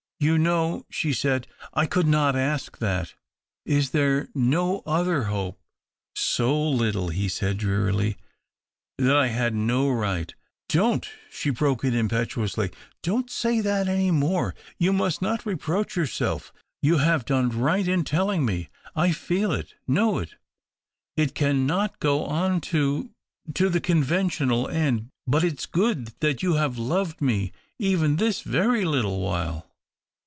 " You know," she said, " I could not ask that. Is there no other hope ?" "So little," he said drearily, "that I had no right "" Don't," she broke in impetuously —" Don't say that any more. You must not reproach yourself. You have done right in telling me — I feel it, know it. It cannot go on to — to the conventional end, but it's good that you have loved me even this very little while."